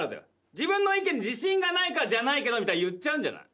自分の意見に自信がないから「じゃないけど」みたいに言っちゃうんじゃない？